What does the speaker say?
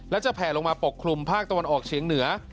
และจะแผลลงมาปกคลุมภาคตะวันออกเฉียงเหนือ